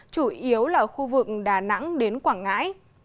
chủ yếu là ở khu vực đà nẵng đến quảng ngãi